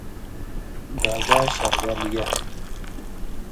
دھاگا شاگا لِیا